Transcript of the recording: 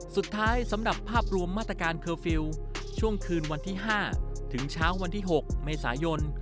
สำหรับภาพรวมมาตรการเคอร์ฟิลล์ช่วงคืนวันที่๕ถึงเช้าวันที่๖เมษายน